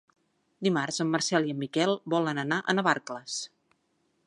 Dimarts en Marcel i en Miquel volen anar a Navarcles.